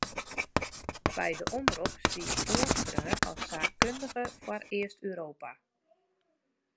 By de omrop stie ik oanskreaun as saakkundige foar East-Europa.